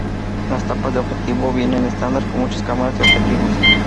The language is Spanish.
Las tapas de objetivo vienen estándar con muchas cámaras y objetivos.